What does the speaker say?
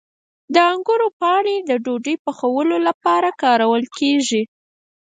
د انګورو پاڼې د ډوډۍ پخولو لپاره کارول کیږي.